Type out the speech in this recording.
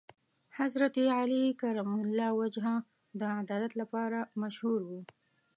حضرت علی کرم الله وجهه د عدالت لپاره مشهور و.